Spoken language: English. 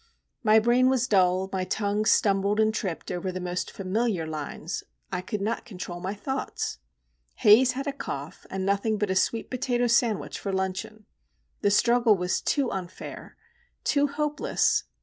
My brain was dull, my tongue stumbled and tripped over the most familiar lines, I could not control my thoughts. Haze had a cough, and nothing but a sweet potato sandwich for luncheon,—the struggle was too unfair, too hopeless!